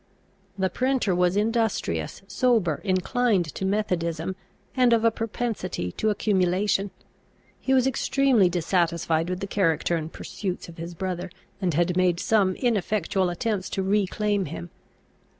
The printer was industrious, sober, inclined to methodism, and of a propensity to accumulation. He was extremely dissatisfied with the character and pursuits of his brother, and had made some ineffectual attempts to reclaim him.